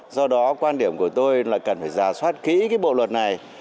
do đó quan điểm của tôi là cần phải ra soát kỹ cái bộ luật này